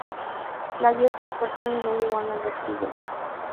Las vías se recortaron y no llegaban al vestíbulo.